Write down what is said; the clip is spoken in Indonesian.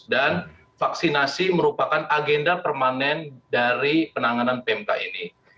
dan vaksinasi merupakan agenda permanen dari penanganan pmk ini